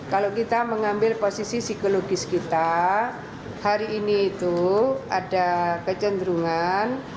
kalau kita mengambil posisi psikologis kita hari ini itu ada kecenderungan